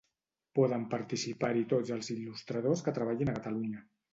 Poden participar-hi tots els il·lustradors que treballin a Catalunya.